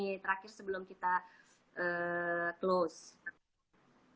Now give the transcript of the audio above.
terakhir sebelum kita close